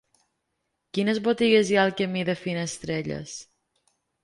Quines botigues hi ha al camí de Finestrelles?